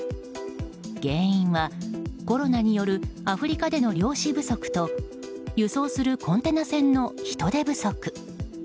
原因はコロナによるアフリカでの漁師不足と輸送するコンテナ船の人手不足。